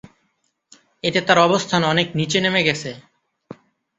এতে তার অবস্থান অনেক নিচে নেমে গেছে।